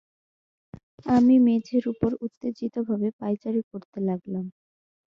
আমি মেঝের উপর উত্তেজিতভাবে পায়চারি করতে লািগলাম।